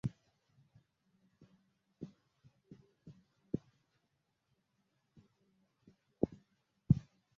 তিনি ব্লুমসবেরির Great Russell স্ট্রিটে তাঁর বাড়িতে একটি আঁকার স্কুল চালাতেন।